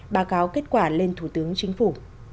báo cáo kết quả lên thủ tướng chính phủ